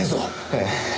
ええ。